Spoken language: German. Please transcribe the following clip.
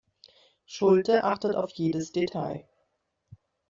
Schulte achtet auf jedes Detail.